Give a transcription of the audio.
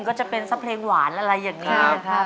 ก็จะเป็นซะเพลงหวานอะไรอย่างนี้นะครับ